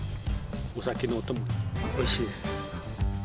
お酒のお供、おいしいです。